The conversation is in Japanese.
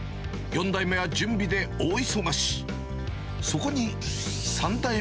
４代目は準備で大忙し。